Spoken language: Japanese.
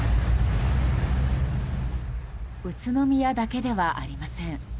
宇都宮だけではありません。